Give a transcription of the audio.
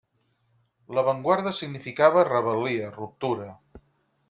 L'avantguarda significava rebel·lia, ruptura.